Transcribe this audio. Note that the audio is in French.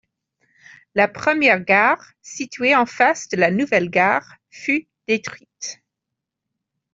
La première gare, située en face de la nouvelle gare fut détruite.